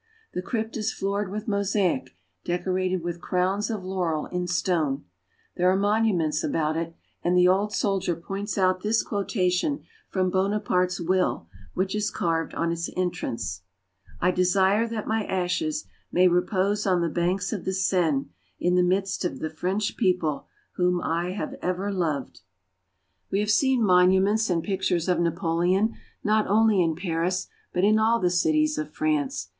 The crypt is floored with mosaic, deco rated with crowns of laurel in stone. There are monuments about it, and the old soldier points out this quotation from Bonaparte's will which is carved on its entrance :" I desire that my ashes may repose on the banks of the Seine in the midst of the French people whom I have ever loved." Tomb of Napoleon. 122 FRANCE. We have seen monuments and pictures of Napoleon, not only in Paris, but in all the cities of France.